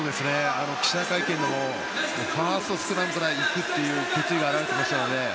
記者会見でもファーストスクラムから行くっていう決意が表れていましたからね。